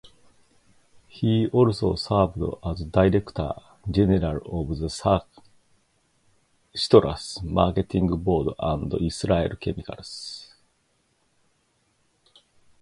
He also served as Director General of the Citrus Marketing Board and Israel Chemicals.